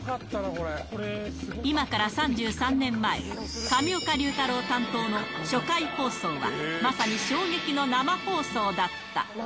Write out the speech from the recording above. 今から３３年前、上岡龍太郎担当の初回放送は、まさに衝撃の生放送だった。